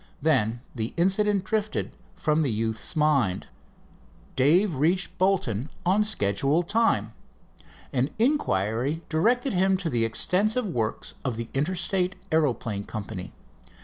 Then the incident drifted from the youth's mind. Dave reached Bolton on schedule time. An inquiry directed him to the extensive works of the Interstate Aeroplane Company.